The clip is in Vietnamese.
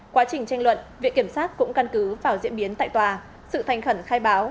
quá trình tranh luận viện kiểm sát cũng căn cứ vào diễn biến tại tòa sự thành khẩn khai báo